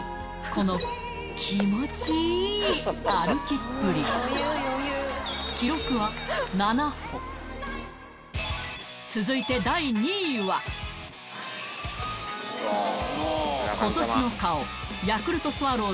この気持ちいい歩きっぷり記録は続いて今年の顔